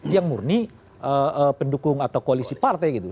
yang murni pendukung atau koalisi partai gitu